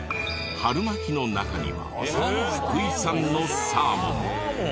春巻きの中には福井産のサーモン。